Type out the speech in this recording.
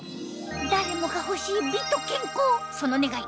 誰もが欲しい美と健康その願い